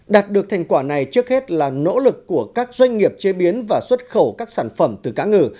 đạt được thành quả này trước hết là nỗ lực của các doanh nghiệp chế biến và xuất khẩu các sản phẩm từ cá ngừ